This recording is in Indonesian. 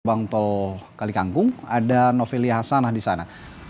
gebang tol kalikangkung ada noveli hasanah di sana